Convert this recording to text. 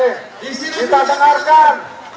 oke kita dengarkan